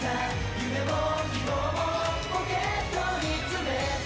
「夢も希望もポケットにつめて」